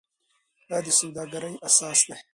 دا د سوداګرۍ اساس دی.